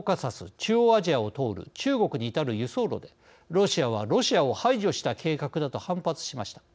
中央アジアを通る中国に至る輸送路でロシアはロシアを排除した計画だと反発しました。